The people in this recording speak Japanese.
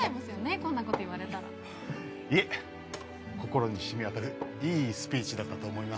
こんなこと言われたらいえ心に染みわたるいいスピーチだったと思います